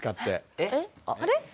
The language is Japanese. えっ？あれ？